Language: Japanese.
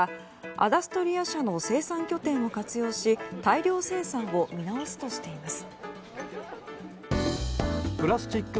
アダストリア社の生産拠点を活用し大量生産を見直すとしています。